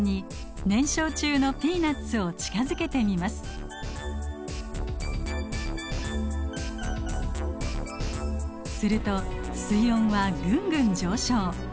次にすると水温はぐんぐん上昇。